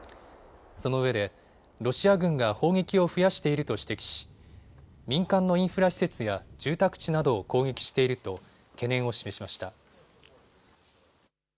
そのうえでロシア軍が砲撃を増やしていると指摘し民間のインフラ施設や住宅地などを攻撃していると懸念を示しました。